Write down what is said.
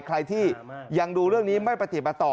ใครที่ยังดูเรื่องนี้ไม่ประเทศมาต่อ